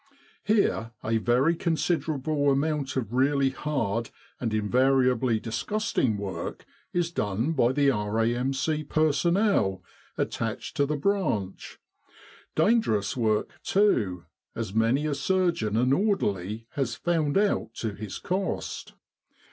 Here a very considerable amount of really hard, and invariably disgusting work is done by the R.A.M.C. personnel attached to the branch dangerous work, too, as many a surgeon and orderly has found out to his cost.